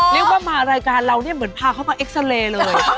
เรียกว่ามารายการเราเนี่ยเหมือนพาเขามาเอ็กซาเรย์เลย